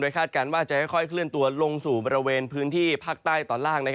คาดการณ์ว่าจะค่อยเคลื่อนตัวลงสู่บริเวณพื้นที่ภาคใต้ตอนล่าง